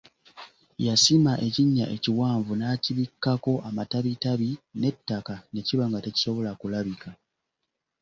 Yasima ekinnya ekiwanvu, n'akibikkako amatabitabi n'ettaka ne kiba nga tekisobola kulabika.